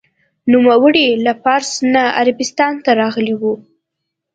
نوموړی له پارس نه عربستان ته راغلی و.